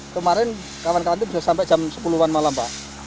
kemarin kawan kawan itu bisa sampai jam sepuluh an malam pak